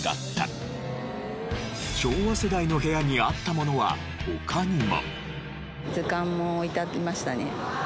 昭和世代の部屋にあったものは他にも。